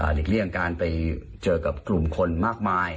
เลี่ยงการไปเจอกับกลุ่มคนมากมาย